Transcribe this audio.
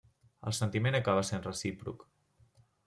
El sentiment acaba sent recíproc.